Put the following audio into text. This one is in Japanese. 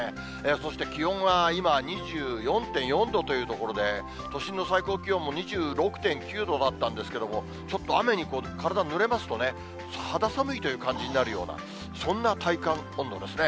そして気温は今、２４．４度というところで、都心の最高気温も２６．９度だったんですけども、ちょっと雨に体ぬれますとね、肌寒いという感じになるような、そんな体感温度ですね。